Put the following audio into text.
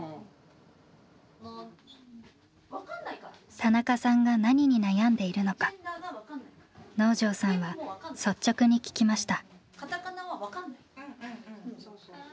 田中さんが何に悩んでいるのか能條さんは率直に聞きました。